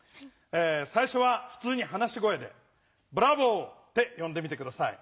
さいしょはふつうに話し声で「ブラボー」ってよんでみて下さい。